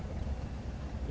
ya saya melihatnya